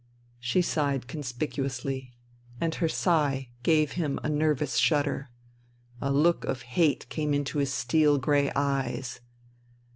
She sighed conspicuously. And her sigh gave him a nervous shudder. A look of hate came into his steel grey eyes.